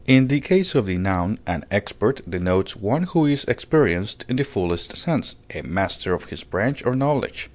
In the case of the noun, "an expert" denotes one who is "experienced" in the fullest sense, a master of his branch of knowledge.